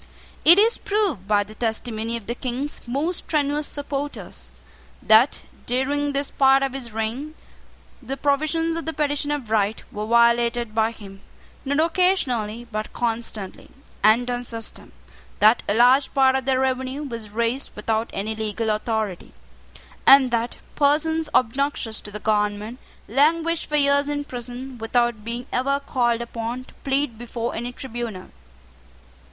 It is proved, by the testimony of the King's most strenuous supporters, that, during this part of his reign, the provisions of the Petition of Right were violated by him, not occasionally, but constantly, and on system; that a large part of the revenue was raised without any legal authority; and that persons obnoxious to the government languished for years in prison, without being ever called upon to plead before any tribunal.